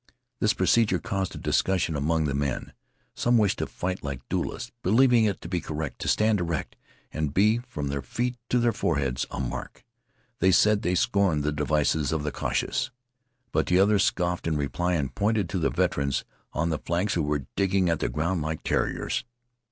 This procedure caused a discussion among the men. Some wished to fight like duelists, believing it to be correct to stand erect and be, from their feet to their foreheads, a mark. They said they scorned the devices of the cautious. But the others scoffed in reply, and pointed to the veterans on the flanks who were digging at the ground like terriers.